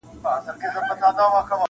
• دغه شین اسمان شاهد دی -